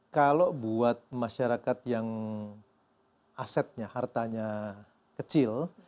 kalau buat masyarakat yang asetnya hartanya kecil